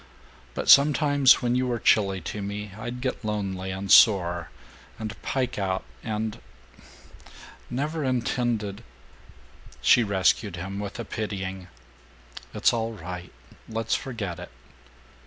But sometimes when you were chilly to me I'd get lonely and sore, and pike out and Never intended " She rescued him with a pitying, "It's all right. Let's forget it."